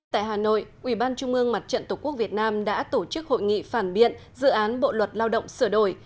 tại hà nội ubnd mặt trận tổ quốc việt nam đã tổ chức hội nghị phản biện dự án bộ luật lao động sửa đổi